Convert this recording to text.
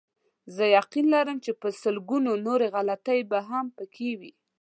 زه یقین لرم چې په لسګونو نورې غلطۍ به هم پکې وي.